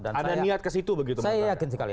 dan saya yakin sekali